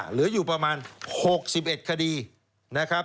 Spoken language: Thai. เหลืออยู่ประมาณ๖๑คดีนะครับ